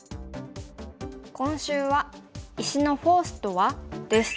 今週は「石のフォースとは？」です。